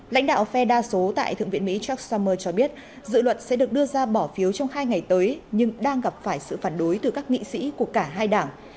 lãnh đạo phe đa số tại thượng viện mỹ chuck summer cho biết dự luật sẽ được đưa ra bỏ phiếu trong hai ngày tới nhưng đang gặp phải sự phản đối từ các nghị sĩ của cả hai đảng